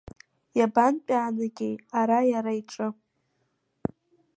Иабантәаанагеи ари Иара иҿы?